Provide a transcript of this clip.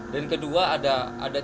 dan kedua ada